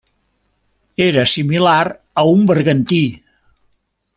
Era similar a un bergantí.